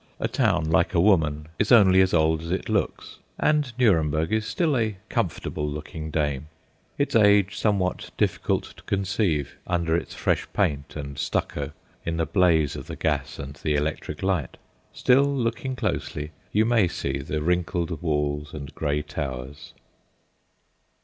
After all, a town, like a woman, is only as old as it looks; and Nuremberg is still a comfortable looking dame, its age somewhat difficult to conceive under its fresh paint and stucco in the blaze of the gas and the electric light. Still, looking closely, you may see its wrinkled walls and grey towers.